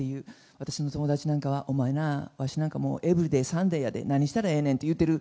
私の友達なんかは、お前なー、わしなんかもうエブリデー、サンデーやで、何したらええねんって言うてる。